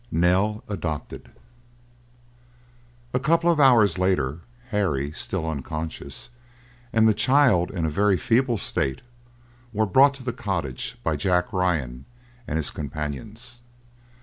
NELL ADOPTED A couple of hours later, Harry still unconscious, and the child in a very feeble state, were brought to the cottage by Jack Ryan and his companions.